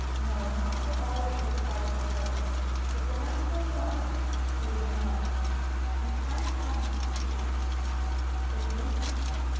No, not for all the Coast Guards in the world, but when I say no, it is no. You can come if you choose." "With you?"